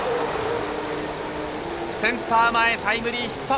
センター前タイムリーヒット。